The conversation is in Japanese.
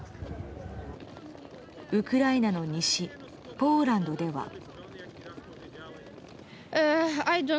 ウクライナの西ポーランドでは。